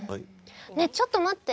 ねえちょっと待って！